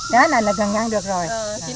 trái này là gần ăn được rồi